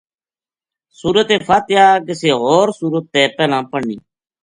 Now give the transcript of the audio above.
سورت فاتحہ کسے ہور سورت تے پہلاں پڑھنی